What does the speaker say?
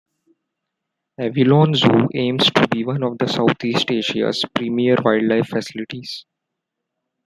Avilon Zoo aims to be one of Southeast Asia's premiere wildlife facilities.